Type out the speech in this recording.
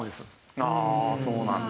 ああそうなんだ。